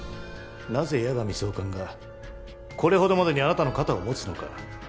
なぜ矢上総監がこれほどまでにあなたの肩を持つのか。